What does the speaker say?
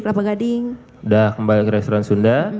kelapa gading sudah kembali ke restoran sunda